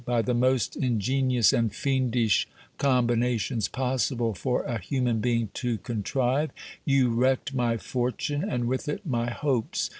By the most ingenious and fiendish combinations possible for a human being to contrive, you wrecked my fortune and with it my hopes.